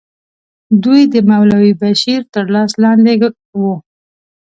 دوی د مولوي بشیر تر لاس لاندې وو.